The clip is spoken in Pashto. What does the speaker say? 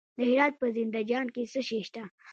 د هرات په زنده جان کې څه شی شته؟